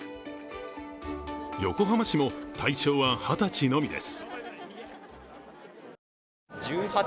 横浜市も対象は二十歳のみです。